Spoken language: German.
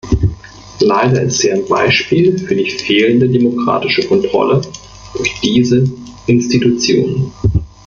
Leider ist sie ein Beispiel für die fehlende demokratische Kontrolle durch diese Institutionen.